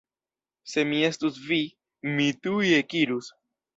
Se mi estus vi, mi tuj ekirus.